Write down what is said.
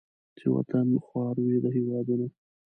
چې وطن خوار وي د هیوادونو